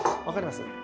分かります？